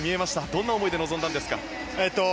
どんな思いで臨んだんですか？